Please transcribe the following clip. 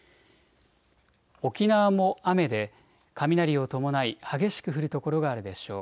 沖縄も雨で雷を伴い激しく降る所があるでしょう。